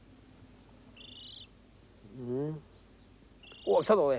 おっ来たぞおい。